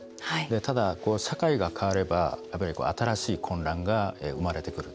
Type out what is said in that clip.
ただ、社会が変われば新しい混乱が生まれてくると。